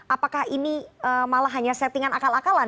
apakah ini malah hanya settingan akal akalan